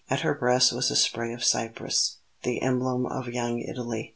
At her breast was a spray of cypress, the emblem of Young Italy.